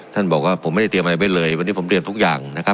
ท่านบอกว่าผมไม่ได้เตรียมอะไรไว้เลยวันนี้ผมเรียนทุกอย่างนะครับ